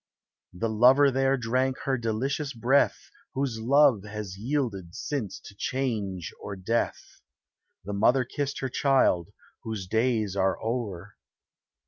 The lover there drank her delicious breath Whose love has yielded since to change or death; The mother kissed her child, whose days are o'er.